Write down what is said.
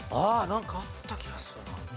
なんかあった気がするな。